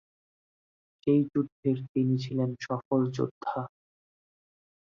সেই যুদ্ধের তিনি ছিলেন সফল যোদ্ধা।